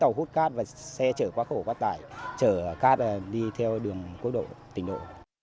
tàu hút cát và xe chở quá khổ quá tải chở cát đi theo đường cố độ tình độ